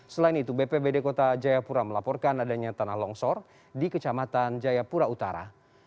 selain itu bpbd kota jayapura melaporkan adanya tanah longsor di kecamatan jayapura utara